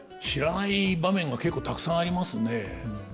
知らない場面が結構たくさんありますね。